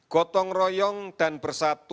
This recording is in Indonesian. gotong royong dan bersatu